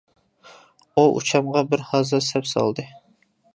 ئۇ ئۇچامغا بىر ھازا سەپ سالدى.